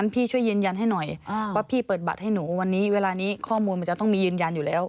พี่ช่วยยืนยันให้หน่อยว่าพี่เปิดบัตรให้หนูวันนี้เวลานี้ข้อมูลมันจะต้องมียืนยันอยู่แล้ว